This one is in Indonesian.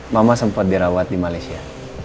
mama sempat dirawat di malaysia